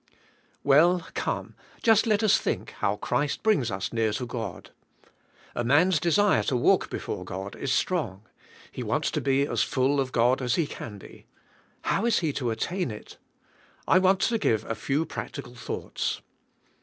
W.ll, come, just let us think how Christ brings us 132 THE SPIRITUAL LIFE. near to God. A man's desire to '^alk before God is strong . He wants to be as full of God as he can be. How is he to attain it? I want to give a few prac tical thoughts.